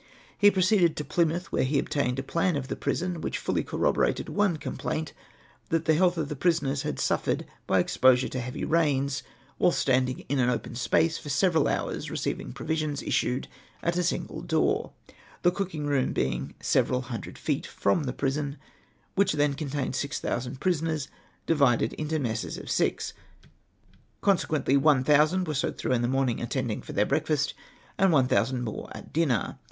He proceeded to Plymouth, where he obtained a plan of the prison, whicli fully corroborated one complaint, that the health of the pri soners had suffered by exposure to heavy rains whilst stand ing in an open space for several hours receiving provisions issued at a single door ; the cooking room being several hundred feet from the prison, Avhich then contained six thousand prisoners, divided into messes of six ; consequently o 3 19S THEIR TREATMENT. cne thousand were soaked through in the morning attending for their breakfast, and one thousand more at dinner.